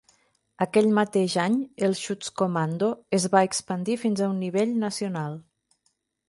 Aquell mateix any, el "Schutzkommando" es va expandir fins a un nivell nacional.